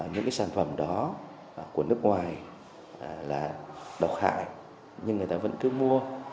những cái sản phẩm đó của nước ngoài là độc hại nhưng người ta vẫn cứ mua